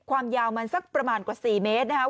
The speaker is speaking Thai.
ความยาวมันสักประมาณกว่า๔เมตรนะครับ